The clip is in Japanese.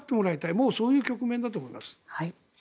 もうそういう局面だと思います。